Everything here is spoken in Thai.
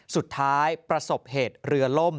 สุดท้ายประสบเหตุเรือร่ม